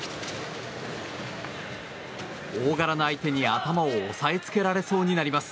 大柄な相手に頭を押さえつけられそうになります。